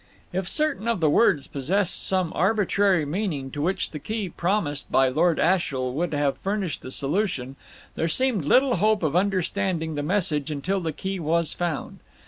If certain of the words possessed some arbitrary meaning to which the key promised by Lord Ashiel would have furnished the solution, there seemed little hope of understanding the message until the key was found.